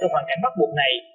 trong hoàn cảnh bắt buộc này